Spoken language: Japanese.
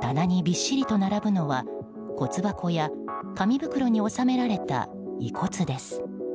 棚にびっしりと並ぶのは骨箱や紙袋に収められた遺骨です。